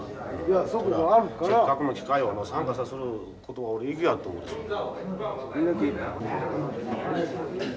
せっかくの機会を参加さすることは俺意義あると思ってるから。